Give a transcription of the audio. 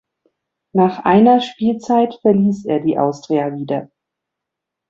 Nach einer Spielzeit verließ er die Austria wieder.